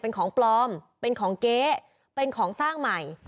เป็นของปลอมเป็นของเก๊เป็นของสร้างใหม่